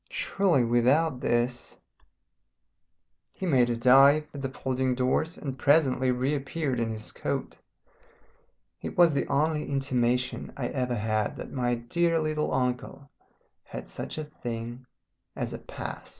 Surely without this " He made a dive at the folding doors and presently reappeared in his coat. It was the only intimation I ever had that my dear little uncle had such a thing as a Past.